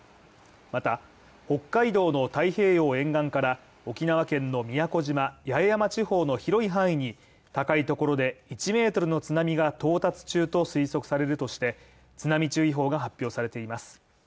また、北海道の太平洋沿岸から、沖縄県の宮古島・八重山地方の広い範囲に高いところで１ｍの津波が到達中と推測されるとして津波注意報が発表されています。